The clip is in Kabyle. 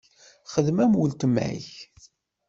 Xdem am uletma-k.